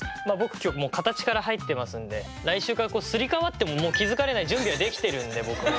今日もう形から入ってますんで来週からすり替わってももう気付かれない準備はできてるんで僕も。